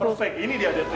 perfect ini dia triknya